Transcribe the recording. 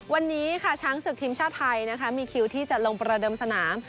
วันนี้ค่ะช้างศึกทีมชาติไทยนะคะมีคิวที่จะลงประเดิมสนาม